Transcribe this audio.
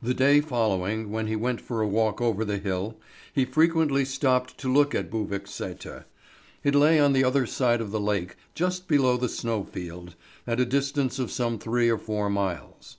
The day following, when he went for a walk over the hill, he frequently stopped to look at Buvik Sæter. It lay on the other side of the lake just below the snow field, at a distance of some three or four miles.